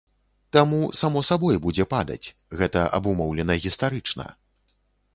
Таму само сабой будзе падаць, гэта абумоўлена гістарычна.